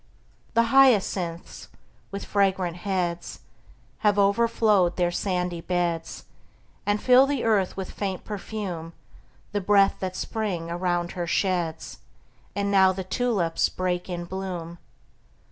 The hyacinths, with fragrant heads, Have overflowed their sandy beds, And fill the earth with faint perfume, The breath that Spring around her sheds. And now the tulips break in bloom!